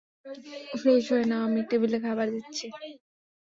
Fresh হয়ে নাও, আমি টেবিলে খাবার দিচ্ছি।